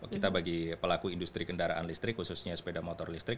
kita bagi pelaku industri kendaraan listrik khususnya sepeda motor listrik